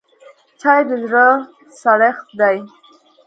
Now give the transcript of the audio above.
چای د زړه سړښت دی